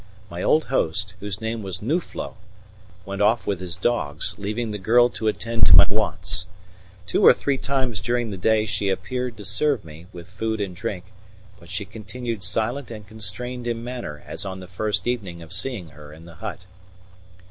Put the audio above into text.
My old host, whose name was Nuflo, went off with his dogs, leaving the girl to attend to my wants. Two or three times during the day she appeared to serve me with food and drink, but she continued silent and constrained in manner as on the first evening of seeing her in the hut.